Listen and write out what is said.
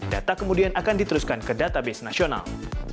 data kemudian akan diteruskan ke database nasional